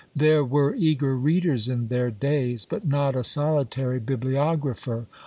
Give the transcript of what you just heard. There were eager readers in their days, but not a solitary bibliographer!